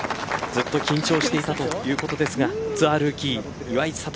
ずっと緊張してたということですがツアールーキー岩井千怜。